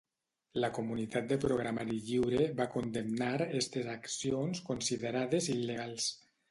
La comunitat de programari lliure va condemnar estes accions considerades il·legals.